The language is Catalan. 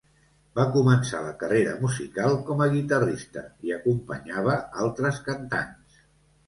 Va començar la carrera musical com a guitarrista i acompanyava altres cantants.